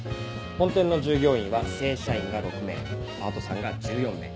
本店の従業員は正社員が６名パートさんが１４名。